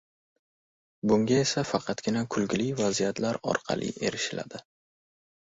Bunga esa faqatgina kulgili vaziyatlar orqali erishiladi.